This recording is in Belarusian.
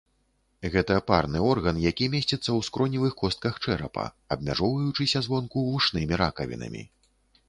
Гэта парны орган, які месціцца ў скроневых костках чэрапа, абмяжоўваючыся звонку вушнымі ракавінамі.